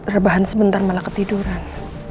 rebahan sebentar malah ketiduran